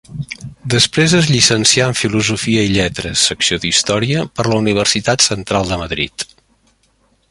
Després es llicencià en Filosofia i Lletres, Secció d'Història, per la Universitat Central de Madrid.